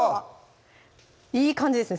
いい感じですね